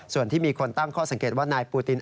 ส่วนที่มีคนตั้งข้อสังเกตว่านายปูติน